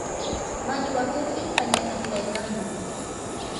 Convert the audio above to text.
mallwa kuchii pañakachaykannam